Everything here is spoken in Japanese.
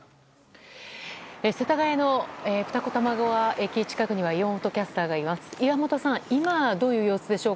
世田谷の二子玉川駅近くには岩本キャスターがいます。